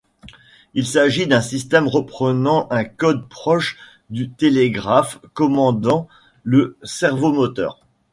Il s'agit d'un système reprenant un code proche du télégraphe commandant le servomoteur.